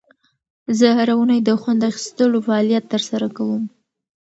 زه هره اونۍ د خوند اخیستلو فعالیت ترسره کوم.